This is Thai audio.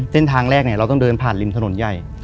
เส้นทางแรกเราต้องเดินผ่านริมถนนใหญ่